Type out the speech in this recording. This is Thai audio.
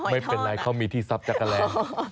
ไม่เป็นไรเขามีที่ทรัพย์จักรแลน